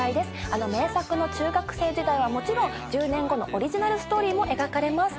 あの名作の中学生時代はもちろん１０年後のオリジナルストーリーも描かれます。